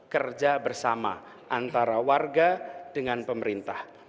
kerja bersama antara warga dengan pemerintah